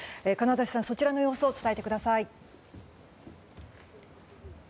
金指さん、そちらの様子を伝えてください。